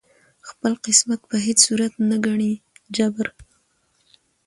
خپل قسمت په هیڅ صورت نه ګڼي جبر